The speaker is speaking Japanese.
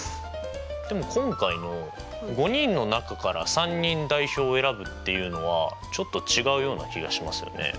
でも今回の５人の中から３人代表を選ぶっていうのはちょっと違うような気がしますよね。